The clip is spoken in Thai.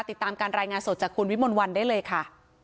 ติดตามการรายงานสดจากคุณวิมลวันได้เลยค่ะ